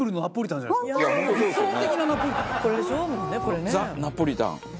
ザ・ナポリタン。